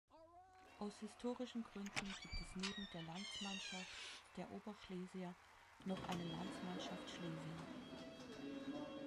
Aus historischen Gründen gibt es neben der Landsmannschaft der Oberschlesier noch eine Landsmannschaft Schlesien.